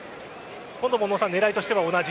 今度も狙いとしては同じ？